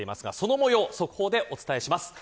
そのもようを速報でお伝えします。